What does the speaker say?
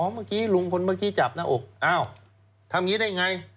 อ๋อเมื่อกี้ลุงคนเมื่อกี้จับหน้าอกทำอย่างนี้ได้อย่างไร